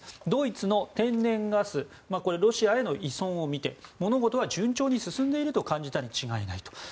ドイツの天然ガスのこれ、ロシアへの依存を見て物事は順調に進んでいると感じたに違いないと。